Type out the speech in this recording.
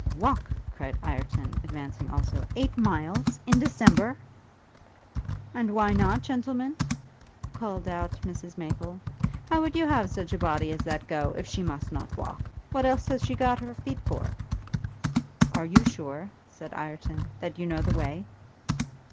'Walk?' cried Ireton, advancing also, 'eight miles? In December?' 'And why not, gentlemen?' called out Mrs Maple, 'How would you have such a body as that go, if she must not walk? What else has she got her feet for?' 'Are you sure,' said Ireton, 'that you know the way?'